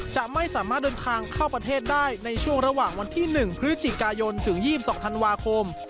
จะไม่สามารถเดินทางเข้าประเทศได้ในช่วงระหว่างวันที่๑พฤศจิกายนถึง๒๒ธันวาคม